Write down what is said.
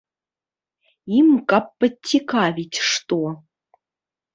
Ім каб падцікаваць што.